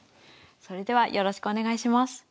それではよろしくお願いします。